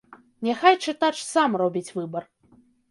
Няхай чытач сам робіць выбар.